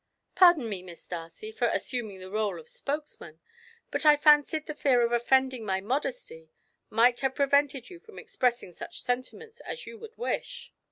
Pardon me, Miss Darcy, for assuming the role of spokesman, but I fancied the fear of offending my modesty might have prevented you from expressing such sentiments as you would wish."